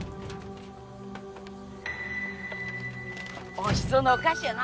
おいしそうなお菓子やな。